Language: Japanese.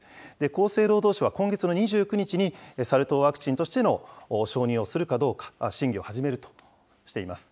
厚生労働省は今月の２９日にサル痘ワクチンとしての承認をするかどうか、審議を始めるとしています。